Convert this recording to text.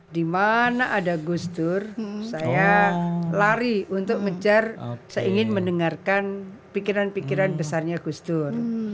dimana ada gustur saya lari untuk mencar seingin mendengarkan pikiran pikiran besarnya gustur